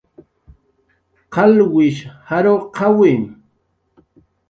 qalwishi jarwqawi